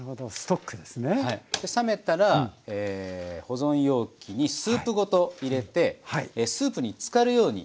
冷めたら保存容器にスープごと入れてスープにつかるように。